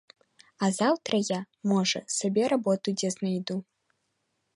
А заўтра я, можа, сабе работу дзе знайду.